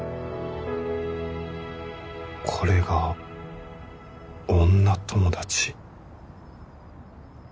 これが女友達